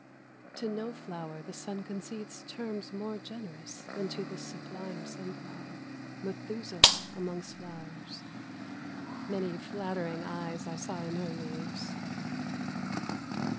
— To no flower the sun concedes Terms more generous Than to the sublime sunflower — Methuselah amongst flowers. Many flattering eyes I saw in her leaves.